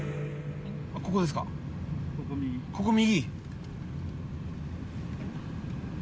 ここ右。